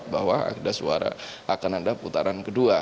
bahwa ada suara akan ada putaran kedua